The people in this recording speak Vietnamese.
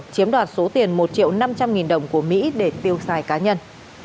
chiếm đoạt số tiền một triệu năm trăm linh nghìn đồng của mỹ để tiêu xài cá nhân